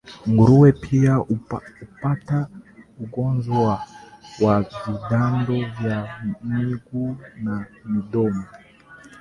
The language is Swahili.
Nguruwe pia hupata ugonjwa wa vidonda vya miguu na midomo